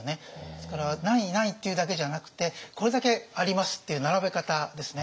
ですから何位何位っていうだけじゃなくてこれだけありますっていう並べ方ですね。